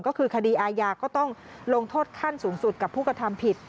ก็คือคดีอาญาก็ต้องลงโทษขั้นสูงสุดกับผู้กระทำผิด